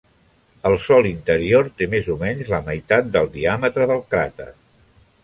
El sòl interior té més o menys la meitat del diàmetre del cràter.